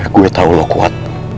gue tau lo kuat